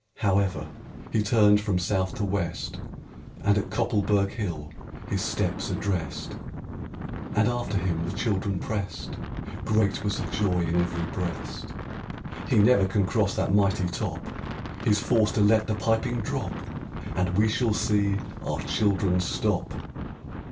However, he turned from south to west, And to Koppelberg Hill his steps addressed, RAINBOW GOLD And after him the children pressed; Great was the joy in every breast. "He never can cross that mighty top! He's forced to let the piping drop, And we shall see our children stop!"